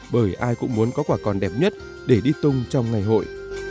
bởi ai cũng muốn có quả còn đẹp nhất để đi tung trong ngày hội